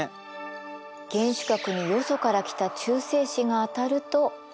原子核によそから来た中性子が当たると。